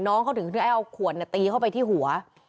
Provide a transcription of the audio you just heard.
น้องเขาถึงได้เอาขวดตีเข้าไปที่หัว